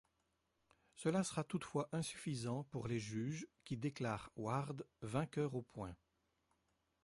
Cela sera toutefois insuffisant pour les juges qui déclarent Ward vainqueur aux points.